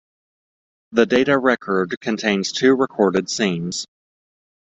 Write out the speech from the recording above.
The data record contains two recorded scenes.